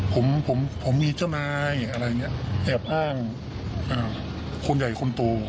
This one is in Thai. ผมผมมีเจ้านายอะไรอย่างเงี้ยแอบอ้างคนใหญ่คนโต